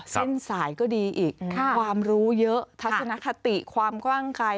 เส้นสายก็ดีอีกความรู้เยอะทัศนคติความกว้างไกล